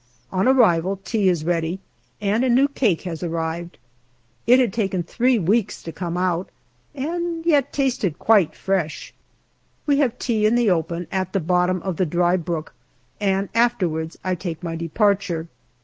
On arrival, tea is ready, and a new cake has arrived. It had taken three weeks to come out, and yet tasted quite 94 GALLIPOLI DIARY fresh. We have tea in the open, at the bottom of the dry brook, and afterwards I take my departure.